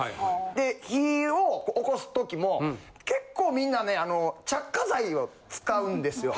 で火をおこす時も結構みんなね着火剤を使うんですよ。